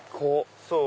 そう。